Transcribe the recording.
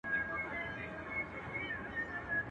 o نې پخپله خوري، نې بل چا ته ورکوي.